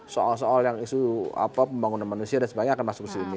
soal soal yang isu pembangunan manusia dan sebagainya akan masuk ke sini